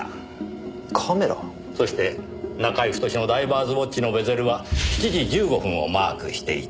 そして中居太のダイバーズウオッチのベゼルは７時１５分をマークしていた。